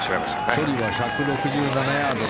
距離は１６７ヤード。